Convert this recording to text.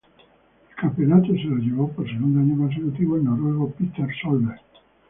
El campeonato se lo llevó por segundo año consecutivo, el noruego Petter Solberg.